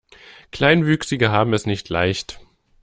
Kleinwüchsige haben es nicht leicht.